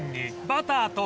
バターが。